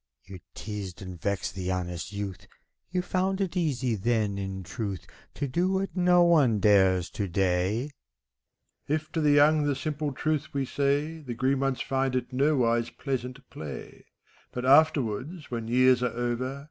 You teased and vexed the honest youth; You found it easy then, in truth, To do what no one dares, to day. MEPHISTOPHELES. If to the young the simple truth we say, The green ones find it nowise pleasant play; But afterwards, when years are over.